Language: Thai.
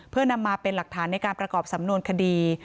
เพื่อนำมาเป็นหลักฐานในการประกอบสำนวนคดี